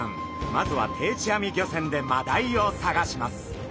まずは定置網漁船でマダイを探します。